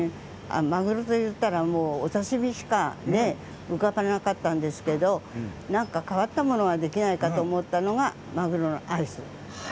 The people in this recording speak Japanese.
まぐろと言ったらお刺身しか浮かばなかったんですけれど何か変わったものができないかと思ったのが、まぐろのアイス。